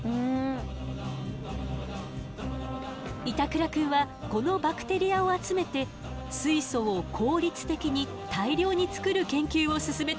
板倉くんはこのバクテリアを集めて水素を効率的に大量に作る研究を進めているのよ。